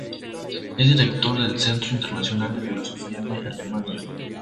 Es director del Centro Internacional de Filosofía de Alemania.